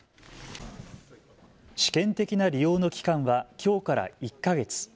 試験的な利用の期間はきょうから１か月。